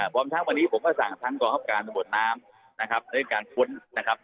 พร้อมทั้งวันนี้ผมก็สั่งทั้งกองคับการตำรวจน้ำนะครับในการค้นนะครับ